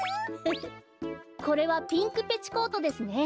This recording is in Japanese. これはピンクペチコートですね。